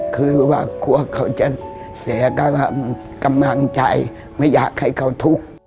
คือว่ากลัวเขาจะเสียกับกำลังใจไม่อยากให้เขาทุกข์